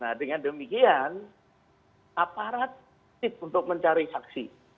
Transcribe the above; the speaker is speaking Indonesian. nah dengan demikian aparat tip untuk mencari saksi